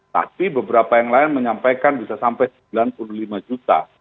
tapi beberapa yang lain menyampaikan bisa sampai sembilan puluh lima juta